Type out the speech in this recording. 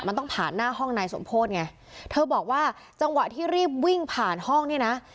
มันต้องผ่านหน้าห้องนายสมโพธิไงเธอบอกว่าจังหวะที่รีบวิ่งผ่านห้องเนี่ยนะ